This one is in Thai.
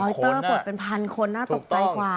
เตอร์ปลดเป็นพันคนน่าตกใจกว่า